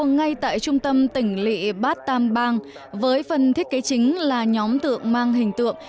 ngay tại trung tâm tỉnh lị bát tam bang với phần thiết kế chính là nhóm tượng mang hình tượng